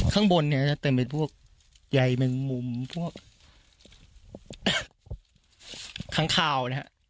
ข้างบนเนี่ยจะเต็มเป็นพวกใยแมงมุมพวกค้างคาวนะฮะ